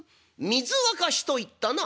「水沸かしと言ったな」。